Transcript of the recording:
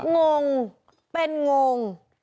งงเป็นงง